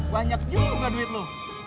banyak juga duit lo